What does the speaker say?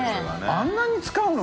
あんなに使うの？